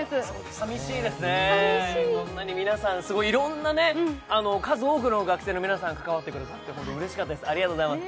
さみしいですね、皆さん、すごいいろんな、数多くの学生の皆さん、関わってくれて、うれしかったです、ありがとうございます。